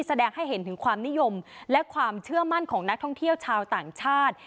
แสดงให้เห็นถึงความนิยมและความเชื่อมั่นของนักท่องเที่ยวชาวต่างชาติ